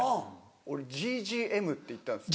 俺「ＧＧＭ」って言ったんですよ。